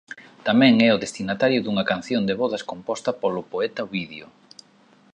Tamén é o destinatario dunha canción de vodas composta polo poeta Ovidio.